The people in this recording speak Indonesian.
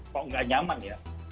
kok nggak nyaman ya